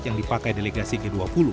yang dipakai delegasi g dua puluh